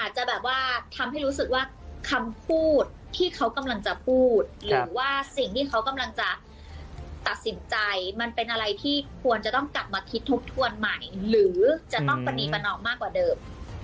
หรือว่าสิ่งที่เขากำลังจะตัดสินใจมันเป็นอะไรที่ควรจะต้องกลับมาคิดทบทวนใหม่หรือจะต้องบรรณีประนอมมากกว่าเดิม